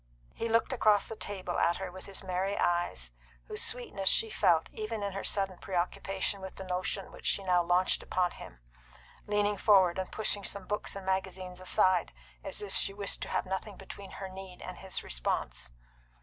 He looked across the table at her with his merry eyes, whose sweetness she felt even in her sudden preoccupation with the notion which she now launched upon him, leaning forward and pushing some books and magazines aside, as if she wished to have nothing between her need and his response.